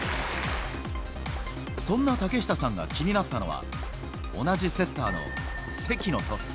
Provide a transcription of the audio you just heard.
そんな竹下さんが気になったのは、同じセッターの関のトス。